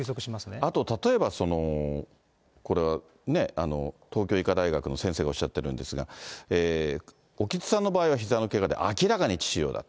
あと、例えば、これ、東京医科大学の先生がおっしゃってるんですが、興津さんの場合は、ひざのけがで明らかに致死量だと。